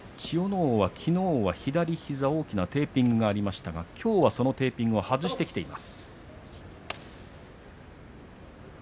皇はきのうは左膝に大きなテーピングがありましたがきょうは、そのテーピングを外してきています。